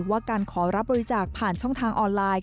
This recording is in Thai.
ว่าการขอรับบริจาคผ่านช่องทางออนไลน์